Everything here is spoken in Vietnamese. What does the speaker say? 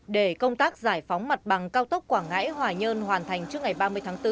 để công tác giải phóng mặt bằng cao tốc quảng ngãi hòa nhơn hoàn thành trước ngày ba mươi tháng bốn